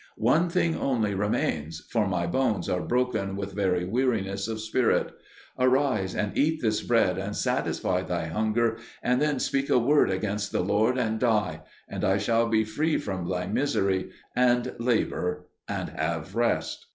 One thing only remains, for my bones are broken with very weariness of spirit. Arise and eat this bread, and satisfy thy hunger, and then speak a word against the Lord, and die; and I shall be freed from my misery and labour, and have rest."